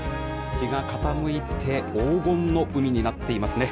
日が傾いて、黄金の海になっていますね。